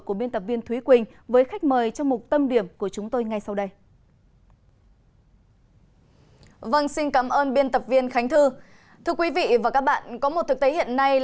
của biên tập viên thúy quỳnh với khách mời trong một tâm điểm của chúng tôi ngay sau đây